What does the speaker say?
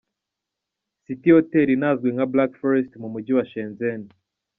City Hotel inazwi nka Black Forest mu Mujyi wa Shenzhen.